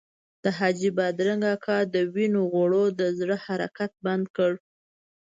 د حاجي بادرنګ اکا د وینو غوړو د زړه حرکت بند کړ.